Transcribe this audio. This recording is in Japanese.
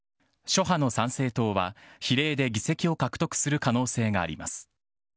諸派の参政党は比例で議席を獲得する可能性があります。